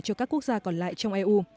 cho các quốc gia còn lại trong eu